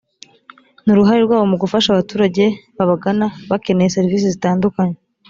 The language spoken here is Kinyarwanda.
ni uruhare rwabo mu gufasha abaturage babagana bakeneye serivisi zitandukanye